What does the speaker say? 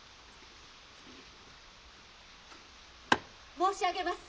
・申し上げます。